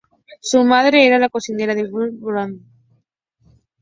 Su madre era la cocinera de Humphrey Bogart.